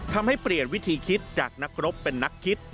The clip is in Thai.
ทำให้เปลี่ยนวิธีคิดจากนักรบเป็นนักคิด